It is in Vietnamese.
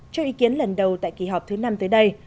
cho ý kiến lần đầu tại kỳ họp thứ năm tới đây